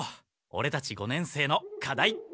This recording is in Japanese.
オレたち五年生の課題